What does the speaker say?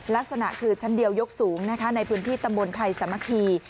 ลักษณะคือชั้นเดียวยกสูงนะคะในพื้นที่ตำบลไทยสามัคคี